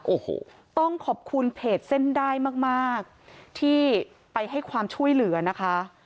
โอ้โหต้องขอบคุณเพจเส้นได้มากมากที่ไปให้ความช่วยเหลือนะคะ